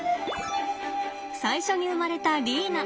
最初に生まれたリーナ。